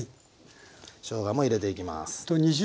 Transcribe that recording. しょうがも入れていきます。